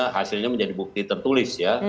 hasilnya menjadi bukti tertulis ya